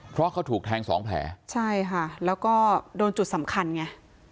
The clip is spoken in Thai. เพราะเขาถูกแทงสองแผลใช่ค่ะแล้วก็โดนจุดสำคัญไง